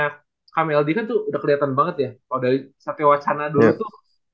coach meldy kan tuh udah keliatan banget ya kalau dari satya wacana dulu tuh